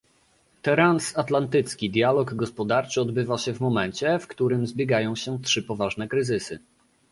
Transatlantycki dialog gospodarczy odbywa się w momencie, w którym zbiegają się trzy poważne kryzysy